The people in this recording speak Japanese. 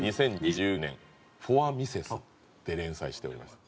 ２０２０年『フォアミセス』で連載しております。